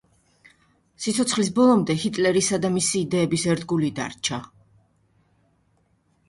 სიცოცხლის ბოლომდე ჰიტლერისა და მისი იდეების ერთგული დარჩა.